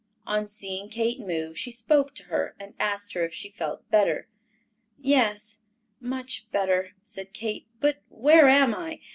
On seeing Kate move, she spoke to her and asked her if she felt better. "Yes, much better," said Kate; "but where am I?